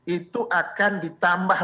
itu akan ditambah